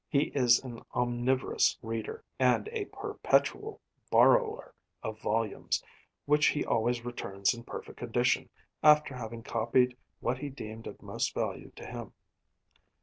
He is an omnivorous reader, and a perpetual borrower of volumes, which he always returns in perfect condition after having copied what he deemed of most value to him.